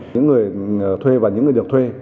những người thuê và những người được thuê